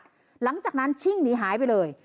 หลังจากนั้นชิ่งหนีหายไปเลย